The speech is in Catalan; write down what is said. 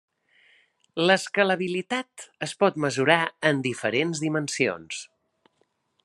L'escalabilitat es pot mesurar en diferents dimensions.